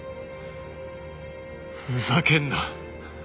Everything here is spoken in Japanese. ふざけんな。